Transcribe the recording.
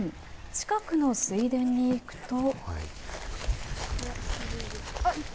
近くの水田に行くと。